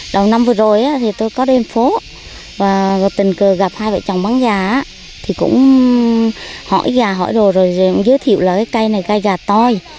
đầu năm vừa rồi thì tôi có đến phố và tình cờ gặp hai vợ chồng bán gà thì cũng hỏi gà hỏi đồ rồi giới thiệu là cái cây này cây gà toi